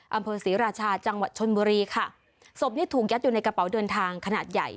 อำเภอศรีราชาจังหวัดชนบุรีค่ะศพนี้ถูกยัดอยู่ในกระเป๋าเดินทางขนาดใหญ่